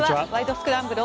スクランブル」